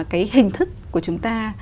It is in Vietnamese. cái hình thức của chúng ta